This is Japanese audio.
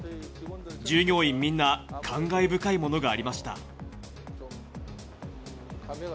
従業員みんな、感慨深いものがありました。